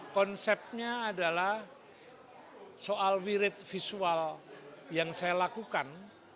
konsepnya adalah soal virit visual yang saya lakukan